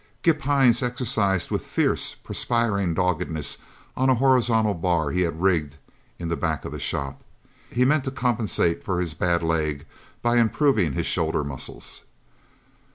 Gimp Hines exercised with fierce, perspiring doggedness on a horizontal bar he had rigged in the back of the shop. He meant to compensate for his bad leg by improving his shoulder muscles.